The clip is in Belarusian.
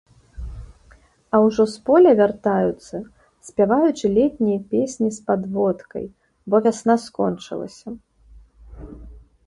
А ўжо з поля вяртаюцца, спяваючы летнія песні з падводкай, бо вясна скончылася.